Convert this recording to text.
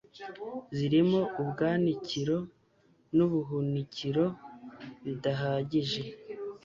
zirimo ubwanikiro n ubuhunikiro bidahagije